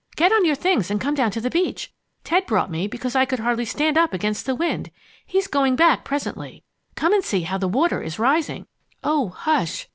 Get on your things and come down to the beach. Ted brought me, because I could hardly stand up against the wind. He's going back presently. Come and see how the water is rising!" "Oh, hush!"